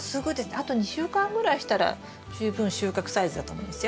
あと２週間ぐらいしたら十分収穫サイズだと思いますよ。